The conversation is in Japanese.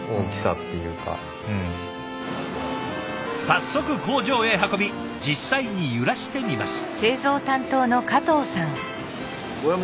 早速工場へ運び実際に揺らしてみます。